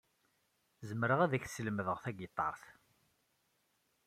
Zemreɣ ad ak-slemdeɣ tagiṭart.